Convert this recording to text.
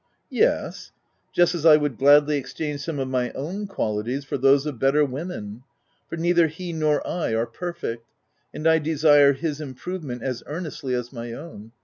" Yes ; just as I would gladly exchange some of my own qualities for those of better women ; for neither he nor I are perfect, and I desire his improvement as earnestly as my own.